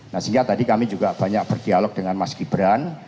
nah sehingga tadi kami juga banyak berdialog dengan mas gibran